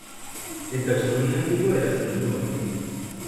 En taxonomía antigua era sinónimo de familia.